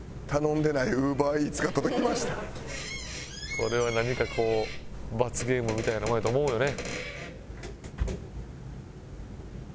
これは何かこう罰ゲームみたいなもんやと思うよね。